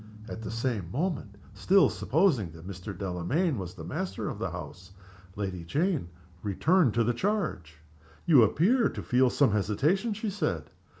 At the same moment (still supposing that Mr. Delamayn was the master of the house) Lady Jane returned to the charge. "You appear to feel some hesitation," she said.